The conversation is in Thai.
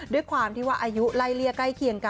ด้วยความที่ว่าอายุไล่เลี่ยใกล้เคียงกัน